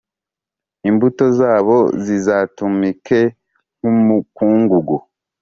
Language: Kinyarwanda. imbuto zabo zizatumuke nk’umukungugu,